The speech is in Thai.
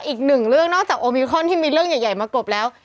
อีกหนึ่งเรื่องนอกจากโอมิคอนที่มีเรื่องใหญ่มากรบแล้ว